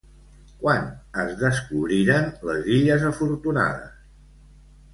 Quan es descobriren les Illes Afortunades?